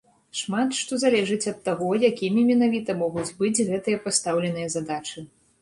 Шмат што залежыць ад таго, якімі менавіта могуць быць гэтыя пастаўленыя задачы.